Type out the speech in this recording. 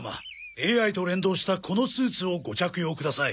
ＡＩと連動したこのスーツをご着用ください。